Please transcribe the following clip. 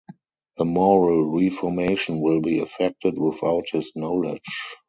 The moral reformation will be effected without his knowledge.